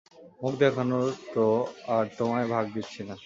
মুখ দেখানোর তো আর তোমায় ভাগ দিচ্ছি না।